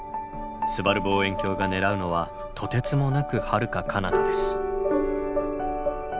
すばる望遠鏡が狙うのはとてつもなくはるかかなたです。